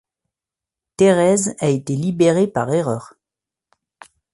Thérèse a été libérée par erreur.